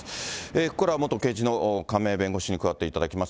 ここからは元検事の亀井弁護士に加わっていただきます。